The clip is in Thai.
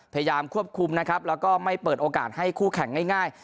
พยายามควบคุมนะครับแล้วก็ไม่เปิดโอกาสให้คู่แข่งง่าย